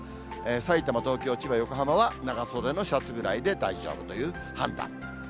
さいたま、東京、千葉、横浜は長袖のシャツぐらいで大丈夫という判断。